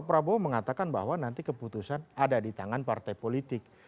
prabowo mengatakan bahwa nanti keputusan ada di tangan partai politik